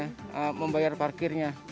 lebih gampang lah kita membayar parkirnya